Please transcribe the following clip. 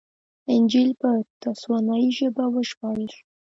انجییل په تسوانایي ژبه وژباړل شو.